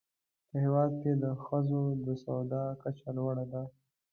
په هېواد کې د ښځو د سواد کچه لوړه ده.